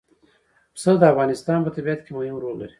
پسه د افغانستان په طبیعت کې مهم رول لري.